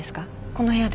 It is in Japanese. この部屋で。